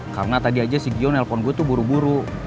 karena tadi aja si gio nelpon gue tuh buru buru